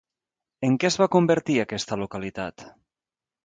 En què es va convertir aquesta localitat?